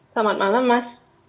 selamat malam mas